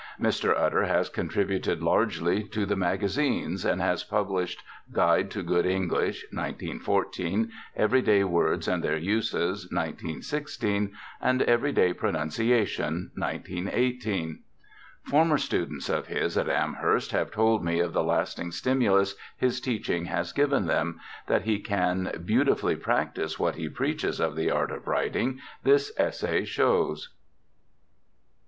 Mr. Utter has contributed largely to the magazines, and has published Guide to Good English (1914), Every Day Words and Their Uses (1916), and Every Day Pronunciation (1918). Former students of his at Amherst have told me of the lasting stimulus his teaching has given them: that he can beautifully practise what he preaches of the art of writing, this essay shows.